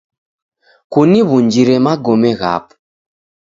Kuniw'unjire magome ghapo.